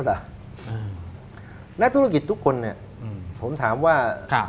มายุคนธุรกิจทุกคนผมถามว่า